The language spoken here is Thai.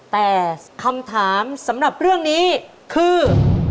แต่คำถามสำหรับเรื่องนี้คือ